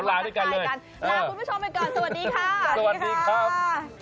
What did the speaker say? รายการต่อไปครับ